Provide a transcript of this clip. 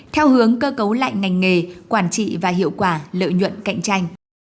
theo hướng cơ cấu lại ngành nghề quản trị và hiệu quả lợi nhuận cạnh tranh